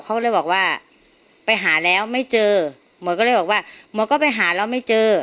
เขาเลยบอกว่าไปหาแล้วไม่เจอหมอก็เลยบอกว่าหมอก็ไปหาแล้วไม่เจอ